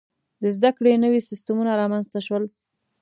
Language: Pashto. • د زده کړې نوي سیستمونه رامنځته شول.